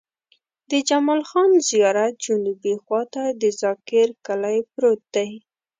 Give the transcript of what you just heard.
د جمال خان زيارت جنوبي خوا ته د ذاکر کلی پروت دی.